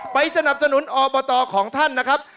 สนับสนุนอบตของท่านนะครับ